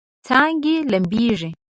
څانګې لمبیږي